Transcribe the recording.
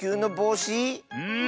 うん。